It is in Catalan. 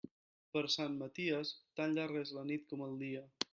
Per Sant Maties, tan llarga és la nit com el dia.